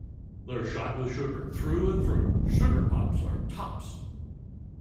They're shot with sugar, through and through... Sugar Pops are tops!